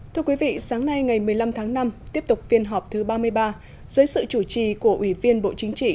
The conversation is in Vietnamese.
thưa quý vị sáng nay ngày một mươi năm tháng năm tiếp tục phiên họp thứ ba mươi ba dưới sự chủ trì của ủy viên bộ chính trị